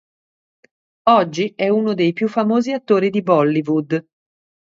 Oggi è uno dei più famosi attori di Bollywood.